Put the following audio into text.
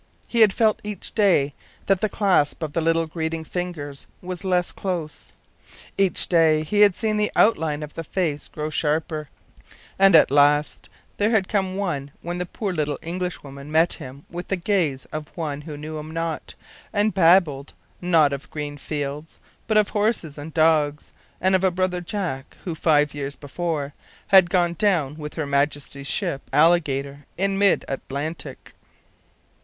He had felt each day that the clasp of the little greeting fingers was less close; each day he had seen the outline of the face grow sharper; and at last there had come one when the poor little English woman met him with the gaze of one who knew him not, and babbled, not of green fields, but of horses and dogs, and of a brother Jack, who, five years before, had gone down with her Majesty’s ship Alligator in mid Atlantic.